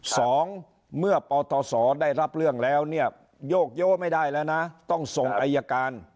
สองเมื่อปศได้รับเรื่องแล้วเนี่ยโยกโยไม่ได้แล้วนะต้องส่งอายการ